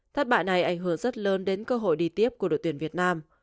thất bại này ảnh hưởng rất lớn đến cơ hội đi tiếp của đội tuyển việt nam